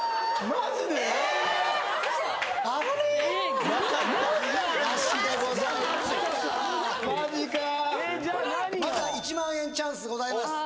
まだ１万円チャンスございます